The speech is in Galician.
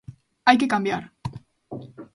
Hai que cambiar.